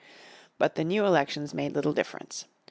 But the new elections made little difference.